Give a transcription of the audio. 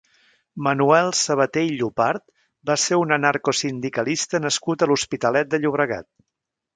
Manuel Sabaté i Llopart va ser un anarcosindicalista nascut a l'Hospitalet de Llobregat.